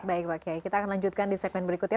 baik pak kiai kita akan lanjutkan di segmen berikutnya